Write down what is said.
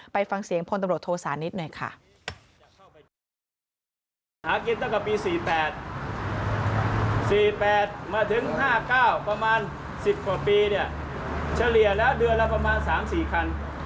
ไปฟังเสียงพลตำรวจโทสานิทหน่อยค่ะ